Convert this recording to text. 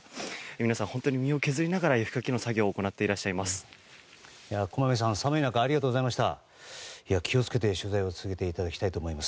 皆さん本当に身を削りながら雪かき作業を行っていらっしゃいます。